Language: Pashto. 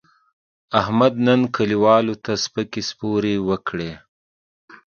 احمد نن کلیوالو ته سپکې سپورې وکړې.